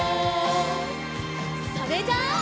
それじゃあ。